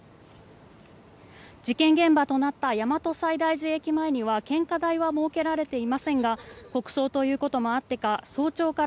事件現場となった大和西大寺駅前には献花台は設けられていませんが国葬ということもあってか